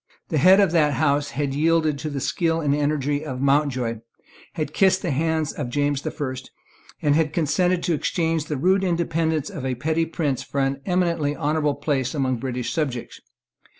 The head of that house had yielded to the skill and energy of Mountjoy, had kissed the hand of James the First, and had consented to exchange the rude independence of a petty prince for an eminently honourable place among British subjects.